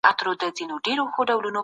آيا حکومت د خلکو ستونزې حل کوي؟